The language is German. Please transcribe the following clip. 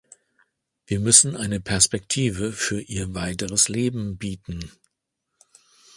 Wir müssen eine Perspektive für ihr weiteres Leben bieten.